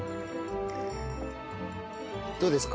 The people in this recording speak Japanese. どうですか？